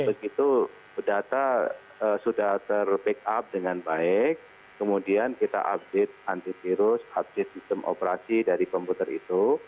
begitu data sudah ter backup dengan baik kemudian kita update antivirus update sistem operasi dari komputer itu